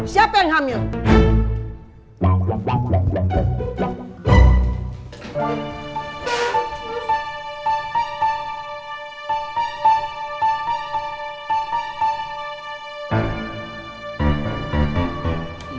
siapa yang hamil